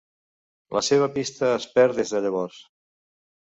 La seva pista es perd des de llavors.